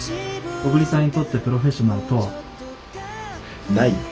小栗さんにとってプロフェッショナルとは。ないよ。